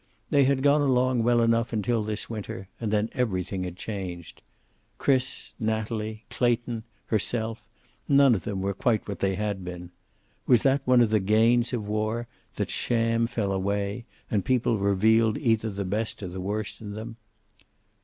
They had gone along well enough until this winter, and then everything had changed. Chris, Natalie, Clayton, herself none of them were quite what they had been. Was that one of the gains of war, that sham fell away, and people revealed either the best or the worst in them?